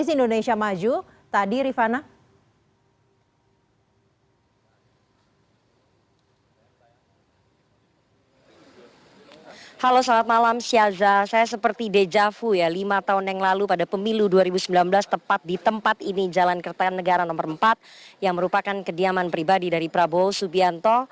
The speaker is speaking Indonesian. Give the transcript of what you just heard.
selamat malam saya seperti dejavu ya lima tahun yang lalu pada pemilu dua ribu sembilan belas tepat di tempat ini jalan kertanegara nomor empat yang merupakan kediaman pribadi dari prabowo subianto